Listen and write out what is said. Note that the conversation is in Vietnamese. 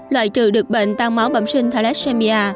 loại trừ được bệnh tan máu bẩm sinh thalassemia